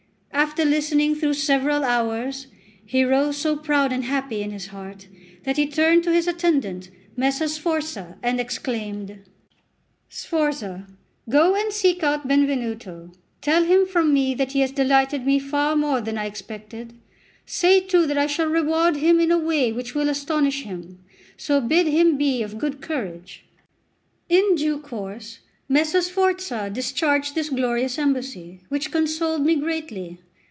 After listening through several hours, he rose so proud and happy in his heart that he turned to his attendant, Messer Sforza, and exclaimed: "Sforza, go and seek out Benvenuto; tell him from me that he has delighted me far more than I expected: say too that I shall reward him in a way which will astonish him; so bid him be of good courage." In due course, Messer Sforza discharged this glorious embassy, which consoled me greatly.